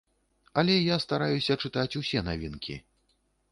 Але я стараюся чытаць усе навінкі.